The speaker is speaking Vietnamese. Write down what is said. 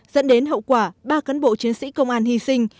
dẫn đến hậu quả ba cán bộ chiến sĩ công an hy sinh